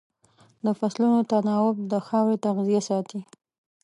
د فصلونو تناوب د خاورې تغذیه ساتي.